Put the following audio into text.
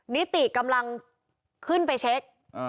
นิติกำลังขึ้นไปเช็ค